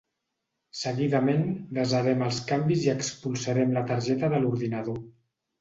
Seguidament, desarem els canvis i expulsarem la targeta de l'ordinador